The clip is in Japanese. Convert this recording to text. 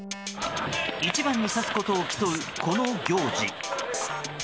一番にさすことを競うこの行事。